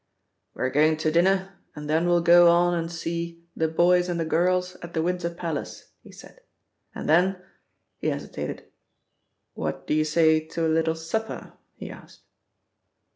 "We're going to dinner and then we'll go on and see 'The Boys and the Girls' at the Winter Palace," he said, "and then," he hesitated, "what do you say to a little supper?" he asked.